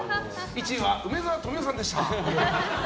１位は梅沢富美男さんでした！